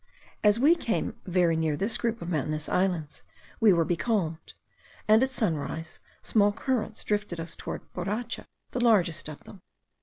As we came very near this group of mountainous islands, we were becalmed; and at sunrise, small currents drifted us toward Boracha, the largest of them.